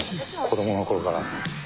子供の頃から。